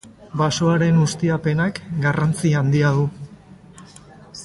Basoaren ustiapenak garrantzi handia du.